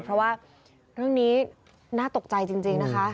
เพราะว่าเรื่องนี้น่าตกใจจริงนะคะ